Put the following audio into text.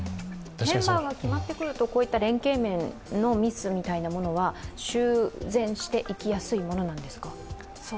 メンバーが決まってくるとこういった連係面のミスみたいなものは修繕していきやすいものなんですか？